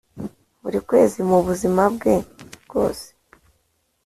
Buri kwezi mu buzima bwe bwose